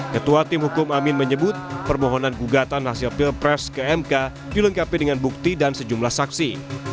ketua tim hukum amin menyebut permohonan gugatan hasil pilpres ke mk dilengkapi dengan bukti dan sejumlah saksi